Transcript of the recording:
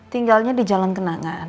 tinggalnya di jalan kenangan